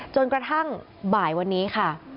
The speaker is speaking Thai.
จนกระทั่งบ่ายวันนี้ค่ะ